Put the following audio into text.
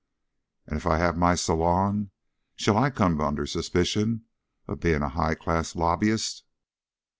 "And if I have my salon, shall I come under suspicion of being a high class lobbyist?"